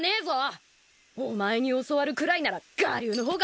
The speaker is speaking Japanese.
お前に教わるくらいなら我流の方がましだ！